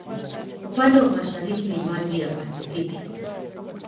Upande wa mashariki ni maji ya Pasifiki.